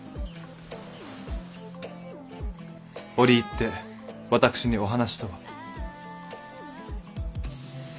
折り入って私にお話とは？